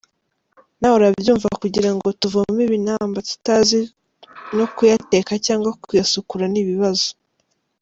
Nawe urabyumva kugira ngo tuvome ibinamba tutazi no kuyateka cyangwa kuyasukura ni ibibazo.